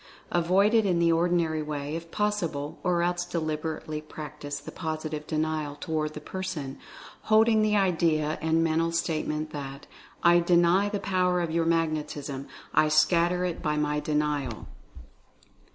Avoid it in the ordinary way, if possible, or else deliberately practice the POS ITIVE DENIAL toward the person, holding the idea and mental statement that "I DENY the power of your magnetism — I scatter it by my Denial."